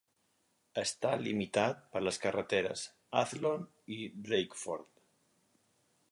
Està limitat per les carreteres Athllon y Drakeford.